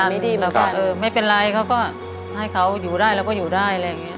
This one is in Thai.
ขายไม่ดีเหมือนกันแล้วก็เออไม่เป็นไรเขาก็ให้เขาอยู่ได้แล้วก็อยู่ได้อะไรอย่างเงี้ย